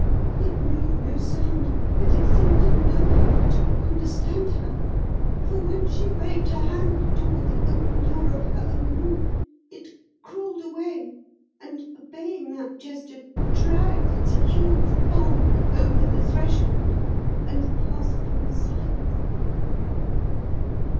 It made no sound, but it seemed to know her, to understand her, for when she waved her hand toward the open door of her own room it crawled away and, obeying that gesture, dragged its huge bulk over the threshold, and passed from sight.